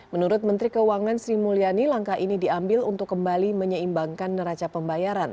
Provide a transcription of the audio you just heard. menurut menteri keuangan sri mulyani langkah ini diambil untuk kembali menyeimbangkan neraca pembayaran